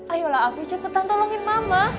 ayolah afi cepetan tolongin mama